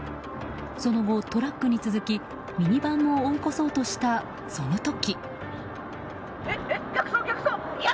その後、トラックに続きミニバンも追い越そうとしたその時。